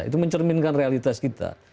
itu mencerminkan realitas kita